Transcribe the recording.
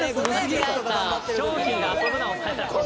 「商品で遊ぶなお前たち」